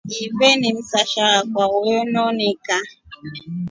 Ife ni msasha akwa wewonika.